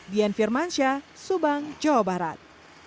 dian firmansyah subang jawa barat